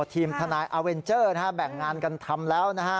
ทีมทนายอาเวนเจอร์แบ่งงานกันทำแล้วนะฮะ